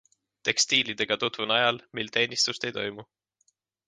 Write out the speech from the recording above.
Tekstiilidega tutvun ajal, mil teenistust ei toimu.